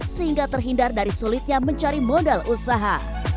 sehingga terhindar dari sulitnya mencari modal usaha